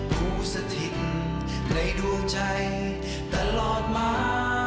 ผู้สถิตในดวงใจตลอดมา